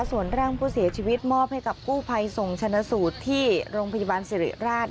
ส่วนร่างผู้เสียชีวิตมอบให้กับกู้ภัยส่งชนะสูตรที่โรงพยาบาลสิริราช